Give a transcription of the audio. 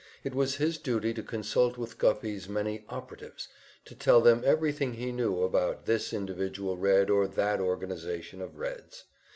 It was his duty to consult with Guffey's many "operatives," to tell them everything he knew about this individual Red or that organization of Reds.